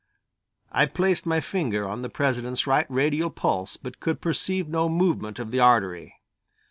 I placed my finger on the President's right radial pulse but could perceive no movement of the artery.